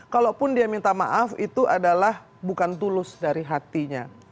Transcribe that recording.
kalaupun dia minta maaf itu adalah bukan tulus dari hatinya